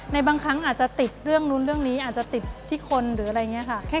บางครั้งอาจจะติดเรื่องนู้นเรื่องนี้อาจจะติดที่คนหรืออะไรอย่างนี้ค่ะ